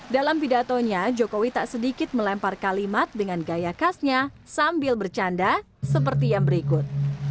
dalam pidatonya jokowi tak sedikit melempar kalimat dengan gaya khasnya sambil bercanda seperti yang berikut